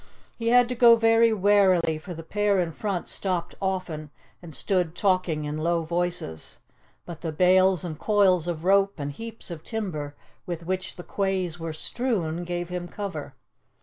He had to go very warily, for the pair in front stopped often and stood talking in low voices, but the bales and coils of rope and heaps of timber with which the quays were strewn gave him cover.